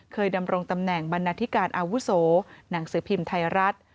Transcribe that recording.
ดำรงตำแหน่งบรรณาธิการอาวุโสหนังสือพิมพ์ไทยรัฐ